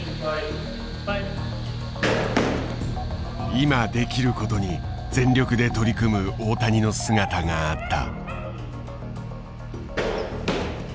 今できることに全力で取り組む大谷の姿があった。